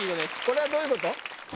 これはどういうこと？